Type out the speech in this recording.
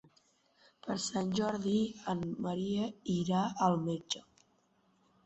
Per Sant Jordi en Maria irà al metge.